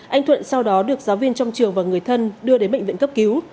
anh thuận sau đó được giáo viên trong trường và người thân đưa đến bệnh viện cấp cứu